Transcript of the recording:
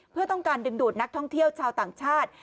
เพื่อต้องการดึงดูดนักท่องเที่ยวชาวต่างชาติ